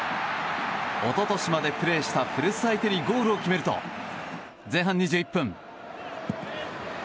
一昨年までプレーした古巣相手にゴールを決めると前半２１分。